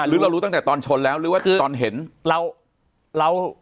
หรือเรารู้ตั้งแต่ตอนชนแล้วหรือว่าคือตอนเห็นเรา